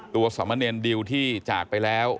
สมเนรดิวที่จากไปแล้ว